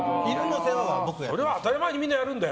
それは当たり前にみんなやるんだよ。